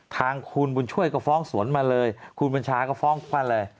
ทางคุณบุญช่วยก็ฟ้องสวนมาเลยคุณบัญชาก็ฟ้องมาเลย